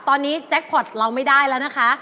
ตอนนี้แจ็คพอร์ตเราไม่ได้แล้วนะคะ